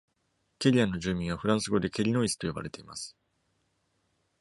ケリアンの住民はフランス語で「ケリノイス」と呼ばれています。